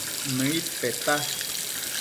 Nëid peta